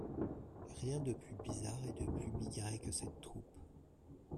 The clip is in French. Rien de plus bizarre et de plus bigarré que cette troupe.